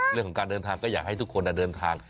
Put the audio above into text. เรื่องของการเดินทางก็อยากให้ทุกคนเดินทาง